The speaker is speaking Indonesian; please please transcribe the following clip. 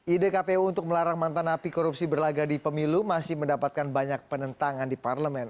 ide kpu untuk melarang mantan api korupsi berlagak di pemilu masih mendapatkan banyak penentangan di parlemen